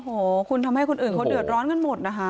โอ้โหคุณทำให้คนอื่นเขาเดือดร้อนกันหมดนะคะ